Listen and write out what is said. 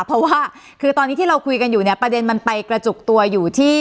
เพราะว่าคือตอนนี้ที่เราคุยกันอยู่เนี่ยประเด็นมันไปกระจุกตัวอยู่ที่